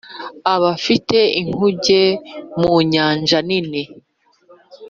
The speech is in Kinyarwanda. abafite inkuge mu nyanja nini